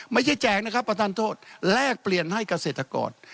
แจกนะครับประธานโทษแลกเปลี่ยนให้เกษตรกร